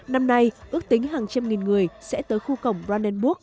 năm nay ước tính hàng trăm nghìn người sẽ tới khu cổng brandenburg